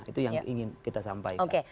itu yang ingin kita sampaikan